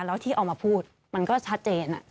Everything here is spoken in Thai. แล้วที่ออกมาพูดมันก็ชัดเจน